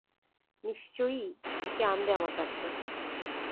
নিশ্চয়ই ওকে আনবে আমার কাছে।